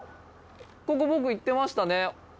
海僕行ってましたね。